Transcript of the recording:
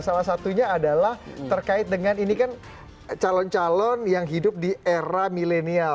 salah satunya adalah terkait dengan ini kan calon calon yang hidup di era milenial